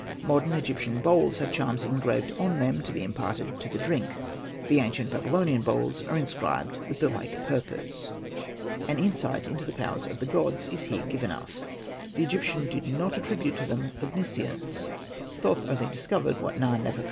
Modern Egyptian bowls have charms engraved on them to be imparted to the drink, and ancient Babylonian bowls are inscribed with the like purpose. An insight into the powers of the gods is here given us. The Egyptian did not attri bute to them omniscience. Thoth only dis covered what Na.nefer.